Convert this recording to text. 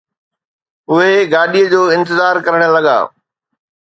اهي گاڏيءَ جو انتظار ڪرڻ لڳا